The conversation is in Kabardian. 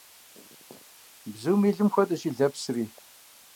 Бзум и лым хуэдэщ и лэпсри.